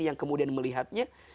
yang kemudian melihatnya